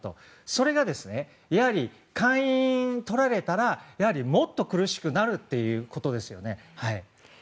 それが、下院を取られたらもっと苦しくなるということですよね。